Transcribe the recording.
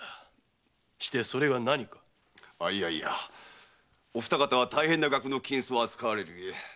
いやいやお二方は大変な額の金子を扱われるゆえ